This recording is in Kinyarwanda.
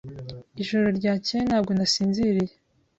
Ijoro ryakeye ntabwo nasinziriye.